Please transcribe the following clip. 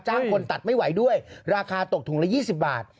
จ้างคนตัดไม่ไหวด้วยราคาตกถุงละยี่สิบบาท